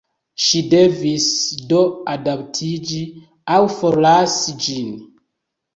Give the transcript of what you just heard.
Ŝi devis, do, adaptiĝi aŭ forlasi ĝin.